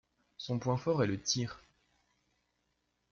Son point fort est le tir.